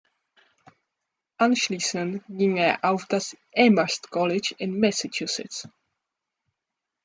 Anschließend ging er auf das "Amherst College" in Massachusetts.